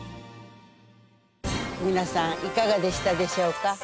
皆さんいかがでしたでしょうか。